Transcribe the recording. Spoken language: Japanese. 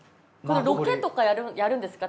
ロケとかやるんですか？